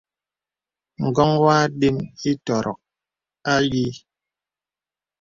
Ǹgɔ̄ŋ wɔ àdəm ìtɔ̀rɔ̀k ayìì.